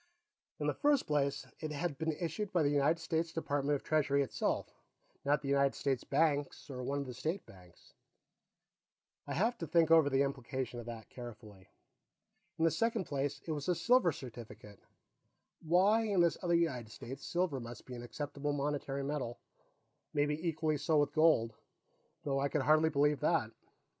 In the first place, it had been issued by the United States Department of Treasury itself, not the United States Bank or one of the State Banks. I'd have to think over the implications of that carefully. In the second place, it was a silver certificate; why, in this other United States, silver must be an acceptable monetary metal; maybe equally so with gold, though I could hardly believe that.